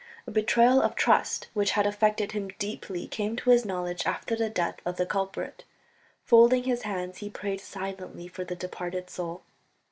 A betrayal of trust which had affected him deeply came to his knowledge after the death of the culprit. Folding his hands he prayed silently for the departed soul.